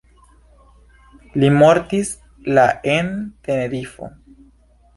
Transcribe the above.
Li mortis la en Tenerifo.